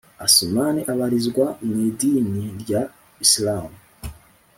asumani abarizwa mwi idini rya islam